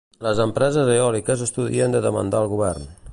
Les empreses eòliques estudien de demandar el Govern.